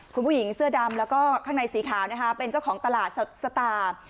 คุณผู้หญิงเสื้อดำแล้วก็ข้างในสีขาวนะคะเป็นเจ้าของตลาดสดสตาร์